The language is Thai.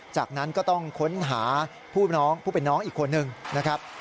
จากนั้นก็ต้องค้นหาผู้น้องผู้เป็นน้องอีกคนนึงนะครับ